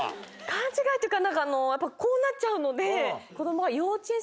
勘違いっていうかこうなっちゃうので。